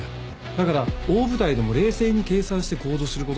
だから大舞台でも冷静に計算して行動することができる。